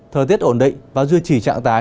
thời tiết ổn định và duy trì trạng thái